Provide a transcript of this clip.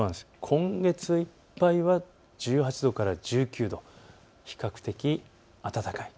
今月いっぱいは１８度から１９度、比較的暖かい。